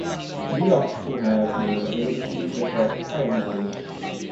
We ought to have been able to seize the crest quite easily.